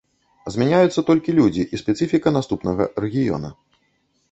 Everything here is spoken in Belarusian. Змяняюцца толькі людзі і спецыфіка наступнага рэгіёна.